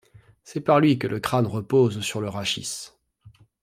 C'est par lui que le crâne repose sur le rachis.